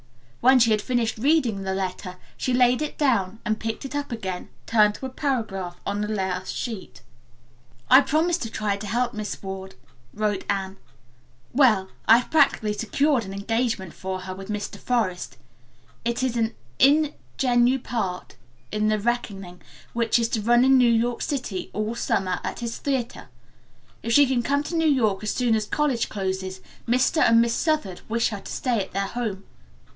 When she had finished reading the letter she laid it down, then picking it up again turned to a paragraph on the last sheet. "I promised to try to help Miss Ward," wrote Anne. "Well, I have practically secured an engagement for her with Mr. Forest. It is an ingenue part in 'The Reckoning,' which is to run in New York City all summer, at his theater. If she can come to New York as soon as college closes Mr. and Miss Southard wish her to stay at their home.